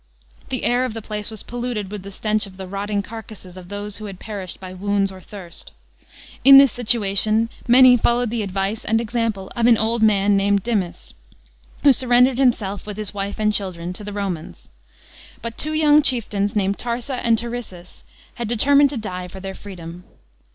The air of the place was polluted with the stench of the rotting carcasses of those who had perished by wounds or thirst. In this situation, many followed the advice and example of an old man named Dmis, who surrendered himself, with his wife and children, to the Romans. But two young chieftains named Tarsa and Turesis had determined to die for their freedom.